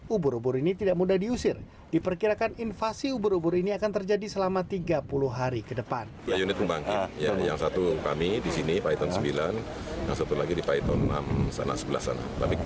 ubur ubur ini tidak mudah diusir diperkirakan invasi ubur ubur ini akan terjadi selama tiga puluh hari ke depan